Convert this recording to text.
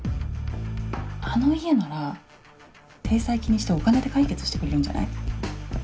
あの家なら体裁気にしてお金で解決してくれるんじゃない？